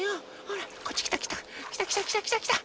ほらこっちきたきた。